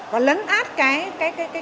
và lấn át cái